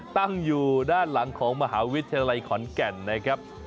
ตั้งอยู่ด้านหลังของมหาวิทยาลัยขอนแก่นนะครับ